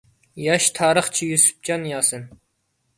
ياش تارىخچى يۈسۈپجان ياسىن.